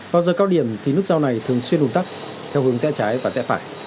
vào giờ cao điểm thì nút giao này thường xuyên đùng tắt theo hướng dẹ trái và dẹ phải